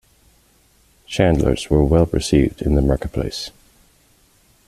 Chandlers were well received in the marketplace.